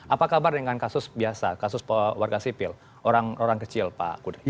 apa kabar dengan kasus biasa kasus warga sipil orang orang kecil pak kuda